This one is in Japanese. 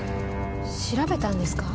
調べたんですか？